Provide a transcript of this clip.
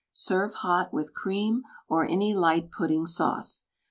Serve hot, with cream or any light pudding sauce.